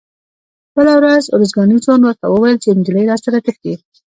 بله ورځ ارزګاني ځوان ورته وویل چې نجلۍ راسره تښتي.